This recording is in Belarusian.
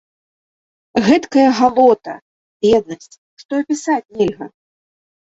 Гэткая галота, беднасць, што апісаць нельга!